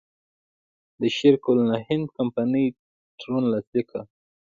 د شرق الهند کمپنۍ تړون لاسلیک کړ.